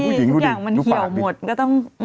ทุกอย่างมันเหี่ยวหมดก็ต้อง